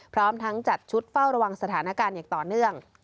พร้อมทั้งจัดชุดเฝ้าระวังสถานการณ์อย่างต่อเนื่อง